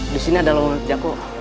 disini ada lawan terjaga kok